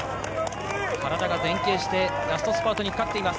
体が前傾してラストスパートにかかっています。